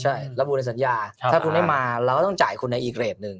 ใช่ระบุในสัญญาถ้าคุณไม่มาเราก็ต้องจ่ายคุณในอีกเรทหนึ่ง